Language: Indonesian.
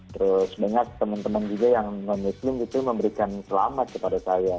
terus banyak teman teman juga yang non muslim itu memberikan selamat kepada saya